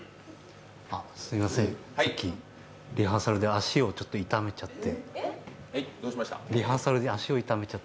すみません、さっきリハーサルで足を傷めちゃって。